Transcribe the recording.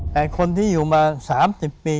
แต่คนที่อยู่มา๓๐ปี